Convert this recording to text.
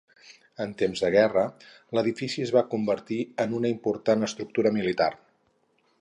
En temps de guerra, l'edifici es va convertir en una important estructura militar.